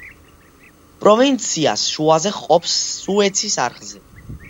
პროვინციას შუაზე ჰყოფს სუეცის არხზე.